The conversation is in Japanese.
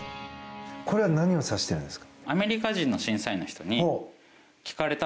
これは何をさしているんですか？